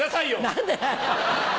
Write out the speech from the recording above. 何でだよ！